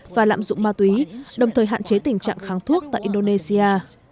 và lạm dụng ma túy đồng thời hạn chế tình trạng kháng thuốc tại indonesia